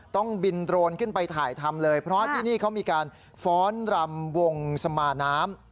ต้องบินโดรนขึ้นไปถ่ายทำเลยเพราะที่นี่เขามีการฟ้อนรำวงสมาน้ำ